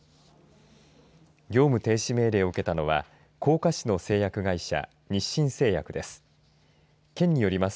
業務停止命令を受けたのは甲賀市の製薬会社日新製薬です。